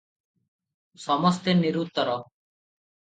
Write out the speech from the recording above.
ସମସ୍ତେ ନିରୁତ୍ତର ।